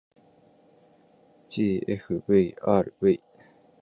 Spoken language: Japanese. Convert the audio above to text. ｇｆｖｒｖ